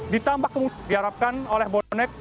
dan diharapkan oleh bonek